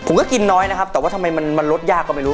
ก็กินน้อยนะครับแต่ว่าทำไมมันลดยากก็ไม่รู้